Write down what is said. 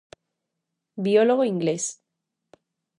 Biólogo inglés.